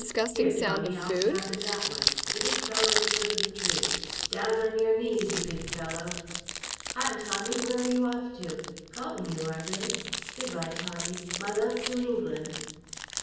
Here, Tommy, I'll start with that one: the big fellow at the foot of the tree. Down on your knees, you big fellow! ... Hi! Tommy! Where are you off to? Calling you, are they? Good by, Tommy. My love to England!"